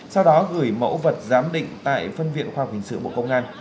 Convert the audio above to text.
sau đó gửi mẫu vật giám định tại phân viện khoa học hình sự bộ công an